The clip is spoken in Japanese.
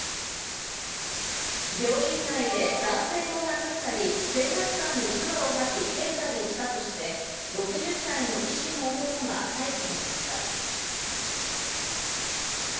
病院内で男性を殴ったり、警察官に唾をはき、蹴ったりしたとして、６０歳の医師の男が逮捕されました。